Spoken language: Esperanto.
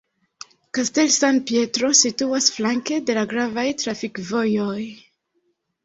Castel San Pietro situas flanke de la gravaj trafikvojoj.